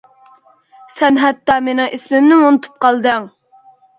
سەن ھەتتا مېنىڭ ئىسمىمنىمۇ ئۇنتۇپ قالدىڭ.